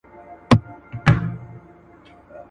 انګرېزان په چابکۍ راتلل.